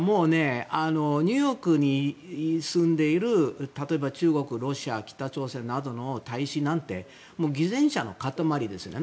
ニューヨークに住んでいる例えば、中国、ロシア北朝鮮などの大使なんて偽善者の塊ですよね。